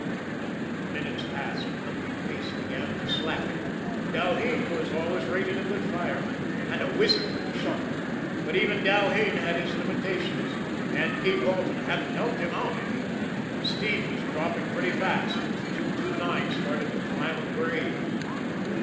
The minutes passed and then the pace began to slacken. Dalheen was always rated a good fireman, and a wizard with the shovel, but even Dalheen had his limitations and P. Walton hadn't helped him out any. The steam was dropping pretty fast as the 229 started to climb a grade.